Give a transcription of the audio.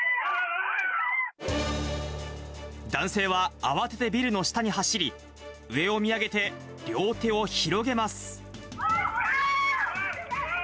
男性は慌ててビルの下に走り、上を見上げて両手を広げます。